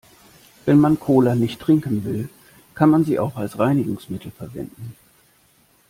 Wenn man Cola nicht trinken will, kann man sie auch als Reinigungsmittel verwenden.